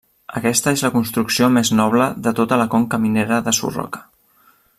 Aquesta és la construcció més noble de tota la Conca Minera de Surroca.